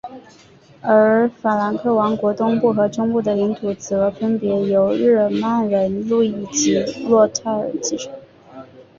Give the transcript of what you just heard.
而法兰克王国东部和中部的领土则分别由日耳曼人路易及洛泰尔继承。